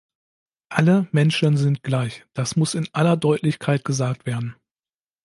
Alle Menschen sind gleich, das muss in aller Deutlichkeit gesagt werden.